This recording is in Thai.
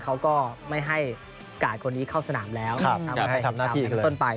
เค้าก็ไม่ให้การต์คนนี้เข้าสนามทำงานให้เป็นธนไป